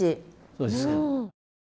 そうですか。